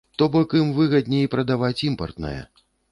То бок ім выгадней прадаваць імпартнае.